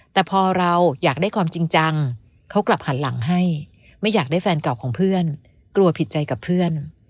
แต่พอเราอยากได้ความจริงจังเขากลับหันหลังให้ไม่อยากได้แฟนเก่าของเพื่อนกลัวผิดใจกับเพื่อน